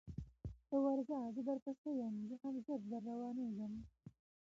ته ورځه زه در پسې یم زه هم ژر در روانېږم